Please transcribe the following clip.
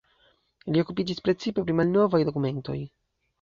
Li okupiĝis precipe pri malnovaj dokumentoj.